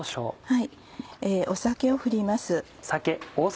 酒をふります。